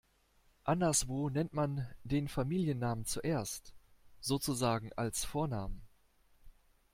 Anderswo nennt man den Familiennamen zuerst, sozusagen als Vornamen.